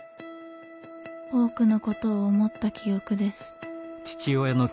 多くの事を思った記憶です」。